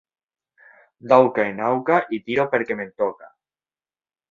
D'auca en auca i tiro perquè em toca!